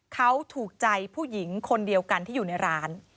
เขาถูกใจผู้หญิงคนเดียวกันที่อยู่ในร้าน